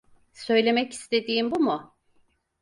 Söylemek istediğin bu mu?